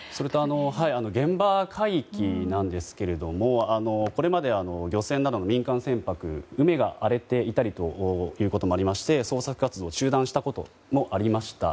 現場海域なんですけれどもこれまでは漁船などの民間船舶海が荒れていたりということもありまして捜索活動中断したこともありました。